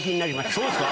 そうですか？